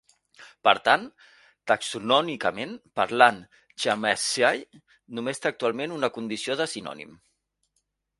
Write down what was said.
Per tant, taxonòmicament parlant, "Chamaescye" només té actualment una condició de sinònim.